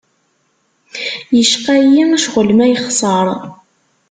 Yecqa-yi ccɣel ma yexṣer.